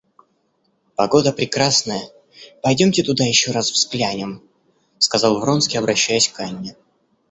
Погода прекрасная, пойдемте туда, еще раз взглянем, — сказал Вронский, обращаясь к Анне.